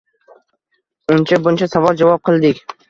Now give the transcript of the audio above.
Uncha-buncha savol-javob qildik.